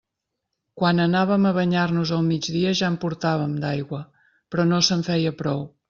Quan anàvem a banyar-nos al migdia ja en portàvem, d'aigua, però no se'n feia prou.